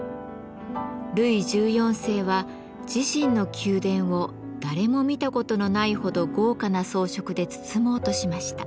ルイ１４世は自身の宮殿を誰も見たことのないほど豪華な装飾で包もうとしました。